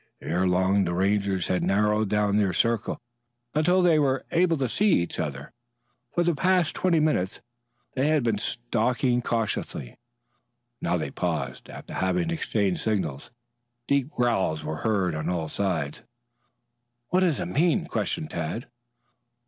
Ere long the Rangers had narrowed down their circle until they were able to see each other. For the past twenty minutes, they had been stalking cautiously. Now they paused, after having exchanged signals. Deep growls were heard on all sides. "What does it mean?" questioned Tad.